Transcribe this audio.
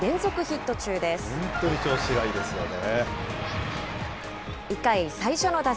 本当に調子がいいですよね。